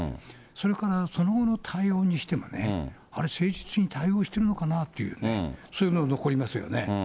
それから、その後の対応にしてもね、あれ、誠実に対応してるのかなっていうね、そういうのが残りますよね。